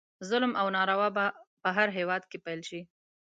ظلم او ناروا به په هر هیواد کې پیل شي.